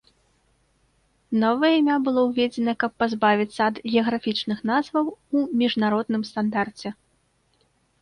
Новае імя было ўведзена, каб пазбавіцца ад геаграфічных назваў у міжнародным стандарце.